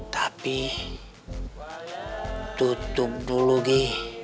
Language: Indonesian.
tapi tutup dulu gi